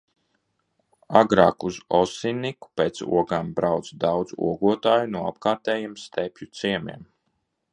Agrāk uz Osinniku pēc ogām brauca daudz ogotāju no apkārtējiem stepju ciemiem.